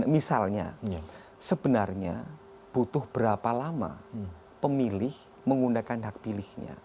misalnya sebenarnya butuh berapa lama pemilih menggunakan hak pilihnya